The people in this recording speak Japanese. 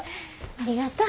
ありがとう。